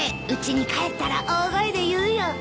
うちに帰ったら大声で言うよ。